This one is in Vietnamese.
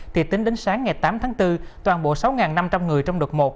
thì tính đến sáng ngày tám tháng bốn toàn bộ sáu năm trăm linh người trong đợt một